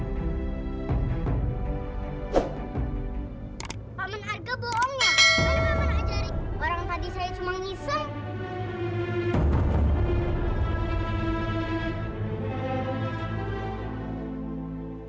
bagaimana pak menarga ajarin orang tadi saya cuma ngisem